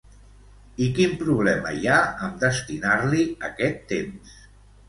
I quin problema hi ha amb destinar-li aquest temps?